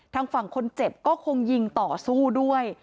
ทางฝั่งคนเจ็บก็คงยิงต่อสู้ด้วย